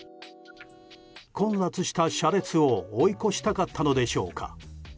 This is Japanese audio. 混雑した車列を追い越したかったのでしょうか。